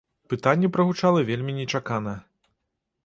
Пытанне прагучала вельмі нечакана.